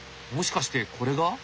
もしかしてこれが？